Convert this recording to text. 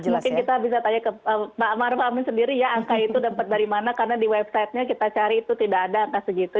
jadi mungkin kita bisa tanya ke pak ammar pak amin sendiri ya angka itu dapat dari mana karena di websitenya kita cari itu tidak ada angka segitu